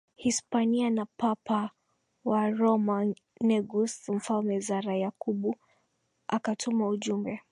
Hispania na Papa wa Roma Negus Mfalme Zara Yakubu akatuma ujumbe